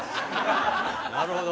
なるほど。